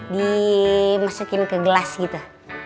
dimasukin ke gelas gitu